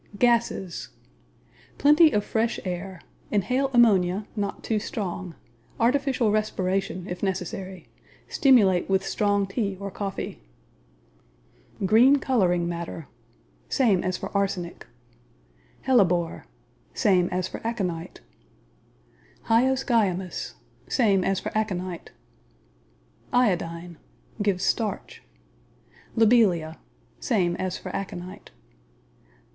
Gases Plenty of fresh air. Inhale ammonia (not too strong). Artificial respiration if necessary. Stimulate with strong tea or coffee. Green coloring matter Same as for arsenic. Hellebore Same as for aconite. Hyoscyamus Same as for aconite. Iodine Give starch. Lobelia Same as for aconite.